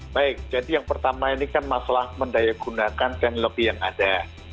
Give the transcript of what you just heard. baik jadi yang pertama ini kan masalah mendaya gunakan dan lebih yang ada